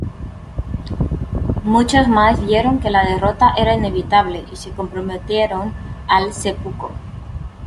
Muchos más vieron que la derrota era inevitable y se comprometieron al "seppuku".